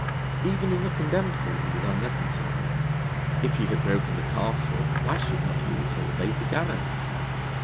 Even in the Condemned Hole he was unreconciled. If he had broken the Castle, why should he not also evade the gallows?